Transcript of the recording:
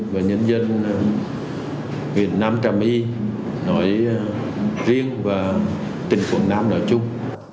và nhân dân huyện nam trà my nỗi riêng và tình huống nam nội chung